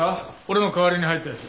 俺の代わりに入った奴。